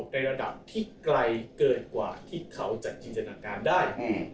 ในระดับที่ไกลเกินกว่าที่เขาจะจินตนาการได้